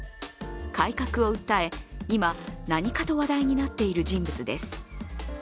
改革を訴え、今、何かと話題になっている人物です。